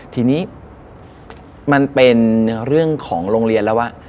ทีนี้มันเป็นเรื่องของโรงเรียนแล้วว่า